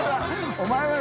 お前は